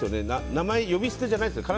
名前、呼び捨てじゃないですよね。